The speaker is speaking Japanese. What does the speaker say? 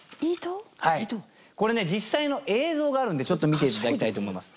はいこれね実際の映像があるんでちょっと見ていただきたいと思います